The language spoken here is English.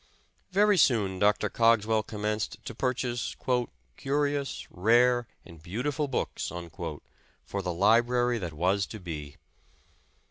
Very soon Dr. Cogswell commenced to purchase "curious, rare and beautiful books" for the library that was to be.